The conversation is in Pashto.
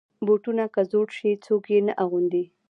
بوټونه که زوړ شي، څوک یې نه اغوندي.